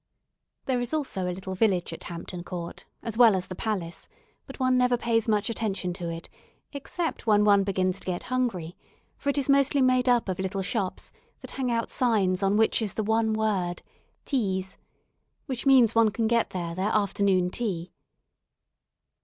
There is also a little village at Hampton Court, as well as the palace, but one never pays much attention to it, except when one begins to get hungry, for it is mostly made up of little shops, that hang out signs on which is the one word, "Teas," which means one can get there their afternoon tea.